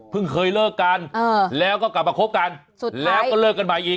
เคยเลิกกันแล้วก็กลับมาคบกันแล้วก็เลิกกันใหม่อีก